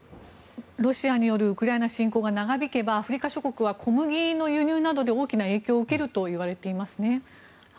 ロシアによるウクライナ侵攻が長引けばアフリカ諸国は小麦の輸入などで大きな影響を受けるといわれていますね。